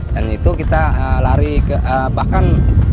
dan itu kita lari ke bahkan